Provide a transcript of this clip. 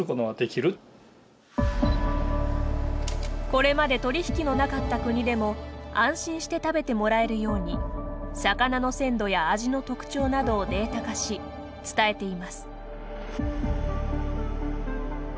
これまで取り引きのなかった国でも安心して食べてもらえるように魚の鮮度や味の特徴などをデータ化し伝えています。